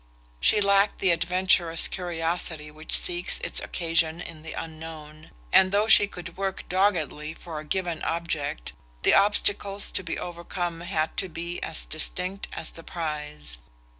She lacked the adventurous curiosity which seeks its occasion in the unknown; and though she could work doggedly for a given object the obstacles to be overcome had to be as distinct as the prize.